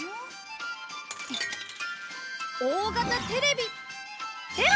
大型テレビ出ろ！